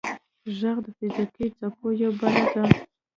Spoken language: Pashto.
• ږغ د فزیکي څپو یوه بڼه ده.